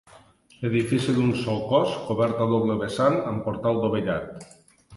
Edifici d'un sol cos, cobert a doble vessant, amb portal dovellat.